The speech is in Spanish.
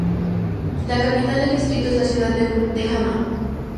La capital del distrito es la ciudad de Hama.